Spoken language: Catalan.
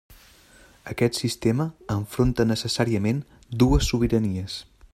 Aquest sistema enfronta necessàriament dues sobiranies.